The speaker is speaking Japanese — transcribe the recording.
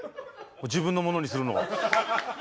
自分のものにするの。